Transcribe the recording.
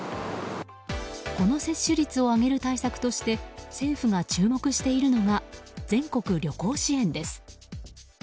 この接種率を上げる対策として政府が注目しているのが全国旅行支援です。